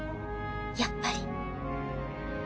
やっぱり。